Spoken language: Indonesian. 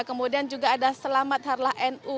kemudian juga ada selamat harlah nu